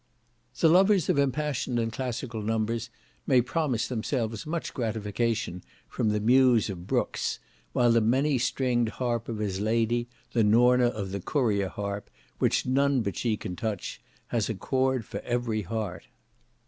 "The lovers of impassioned and classical numbers may promise themselves much gratification from the muse of Brooks, while the many stringed harp of his lady, the Norna of the Courier Harp, which none but she can touch, has a chord for every heart."